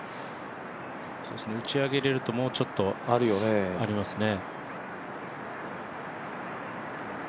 打ち上げれるともうちょっとありますね。